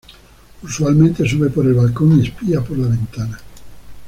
Usualmente sube por el balcón y espía por la ventana.